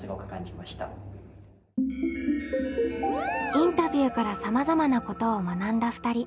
インタビューからさまざまなことを学んだ２人。